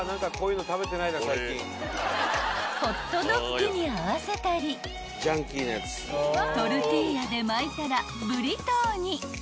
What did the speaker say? ［ホットドッグに合わせたりトルティーヤで巻いたらブリトーに］